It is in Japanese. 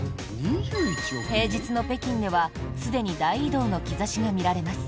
平日の北京では、すでに大移動の兆しが見られます。